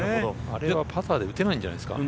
あれはパターで打てないんじゃないですか。